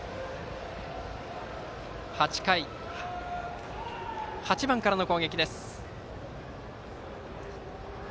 ８回は８番からの攻撃です。